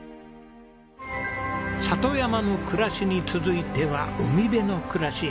里山の暮らしに続いては海辺の暮らし。